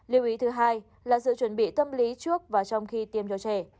lưu ý thứ hai là sự chuẩn bị tâm lý trước và trong khi tiêm cho trẻ